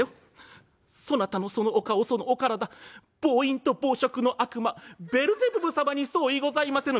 「そなたのそのお顔そのお体暴飲と暴食の悪魔ベルゼブブ様に相違ございませぬ」。